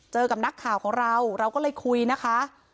กับนักข่าวของเราเราก็เลยคุยนะคะ